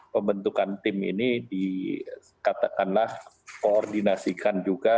pembentukan tim ini dikatakanlah koordinasikan juga